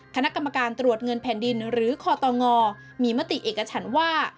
คณะกรรมการตรวจเงินแผ่นดินหรือคอตงมีมติเอกฉันว่า